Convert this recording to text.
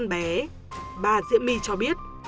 bà diễm my cho biết